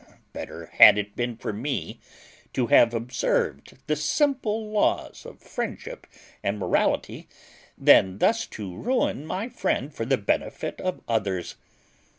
Better had it been for me to have observed the simple laws of friendship and morality than thus to ruin my friend for the benefit of others.